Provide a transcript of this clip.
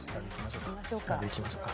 下でいきましょうか。